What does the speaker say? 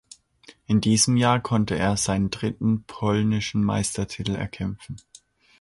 In diesem Jahr konnte er seinen dritten polnischen Meistertitel erkämpfen.